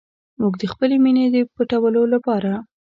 موږ د خپلې مینې د پټولو لپاره.